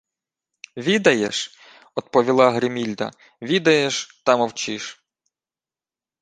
— Відаєш, — одповіла Гримільда. — Відаєш, та мовчиш.